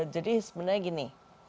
jadi sebenarnya gini